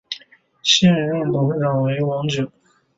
现任董事长为王炯。